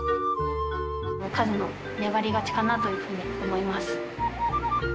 和の粘り勝ちかなというふうに思います。